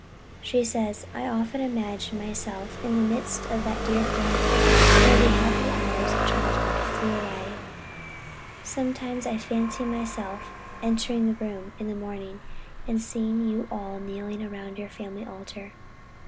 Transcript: she says, "I often imagine myself in the midst of that dear family, where the happy hours of childhood flew away. Sometimes I fancy myself entering the room in the morning, and seeing you all kneeling around the family altar.